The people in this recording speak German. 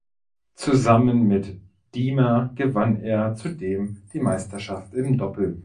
Zusammen mit Diemer gewann er zudem die Meisterschaft im Doppel.